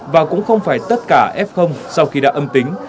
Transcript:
và cũng không phải tất cả f sau khi đã âm tính